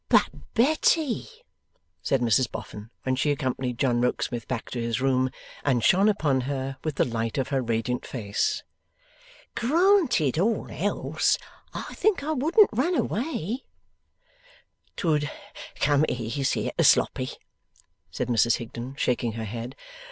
'But, Betty,' said Mrs Boffin, when she accompanied John Rokesmith back to his room, and shone upon her with the light of her radiant face, 'granted all else, I think I wouldn't run away'. ''Twould come easier to Sloppy,' said Mrs Higden, shaking her head.